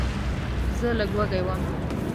زه لږ وږی وم.